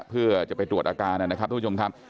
เพื่อจะไปตรวจอาการนะครับทุกผู้ชมครับ